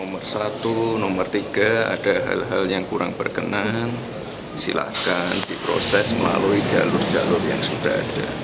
pertama ada hal hal yang kurang berkenan silahkan diproses melalui jalur jalur yang sudah ada